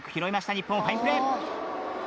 日本ファインプレー。